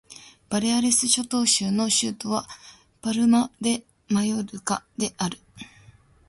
バレアレス諸島州の州都はパルマ・デ・マヨルカである